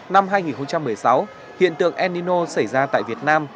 năm hai nghìn một mươi sáu hiện tượng enino xảy ra tại việt nam